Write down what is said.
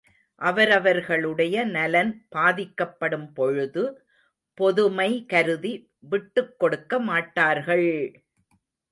அவரவர்களுடைய நலன் பாதிக்கப்படும்பொழுது பொதுமை கருதி விட்டுக் கொடுக்க மாட்டார்கள்!